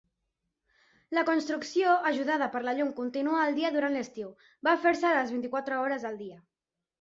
La construcció, ajudada per la llum continua del dia durant l'estiu, va fer-se les vint-i-quatre hores del dia.